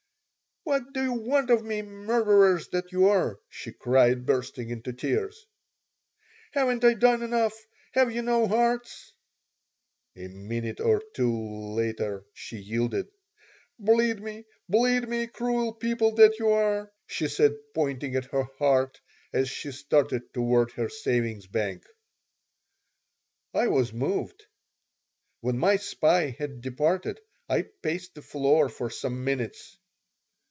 "What do you want of me, murderers that you are?" she cried, bursting into tears. "Haven't I done enough? Have you no hearts?" A minute or two later she yielded "Bleed me, bleed me, cruel people that you are!" she said, pointing at her heart, as she started toward her savings bank I was moved. When my spy had departed I paced the floor for some minutes.